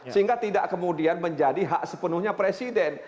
sehingga tidak kemudian menjadi hak sepenuhnya presiden